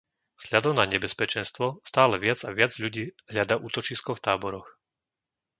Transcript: Vzhľadom na nebezpečenstvo, stále viac a viac ľudí hľadá útočisko v táboroch.